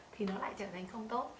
thì nó lại trở thành không tốt